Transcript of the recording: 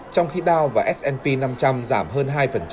trong khi down và s p năm trăm linh giảm hơn hai